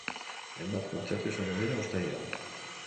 Hainbat kontzertu izango dira uztailean.